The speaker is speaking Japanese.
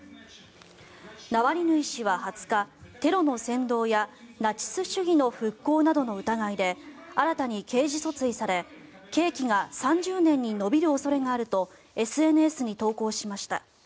ナワリヌイ氏は２０日テロの扇動やナチス主義の復興などの疑いで新たに刑事訴追され刑期が３０年に延びる恐れがあるとＳＮＳに投稿しました。